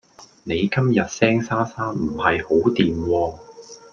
你今日聲沙沙唔係好惦喎